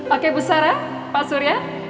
oke bu sarah pak surya